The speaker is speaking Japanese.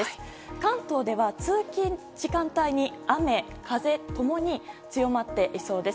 関東では通勤時間帯に雨風共に強まっていそうです。